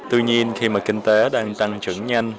tuy nhiên khi mà kinh tế đang tăng trưởng nhanh